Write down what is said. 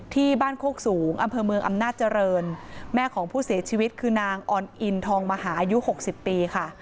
ที่บ้านโคกสูงอำเภอเมืองอำนาจเจริญแม่ของผู้เสียชีวิตคือนางออนอินทองมหาอายุ๖๐ปีค่ะ